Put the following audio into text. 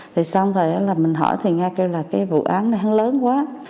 thì xong rồi mình hỏi thì nga kêu là cái vụ án này hân lớn quá